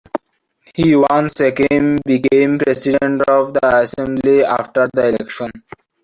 He once again became president of the assembly after the election.